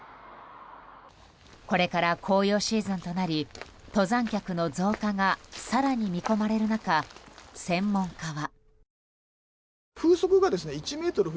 これから紅葉シーズンとなり登山客の増加が更に見込まれる中、専門家は。